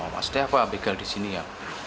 maksudnya apa begal di sini ya